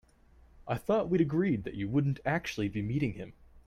I thought we'd agreed that you wouldn't actually be meeting him?